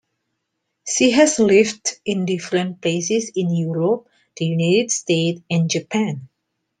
She has lived in different places in Europe, the United States and Japan.